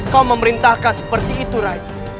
kau memerintahkan seperti itu rai